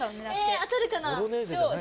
え当たるかな？